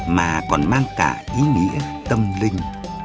mà còn mang cả ý nghĩa tâm linh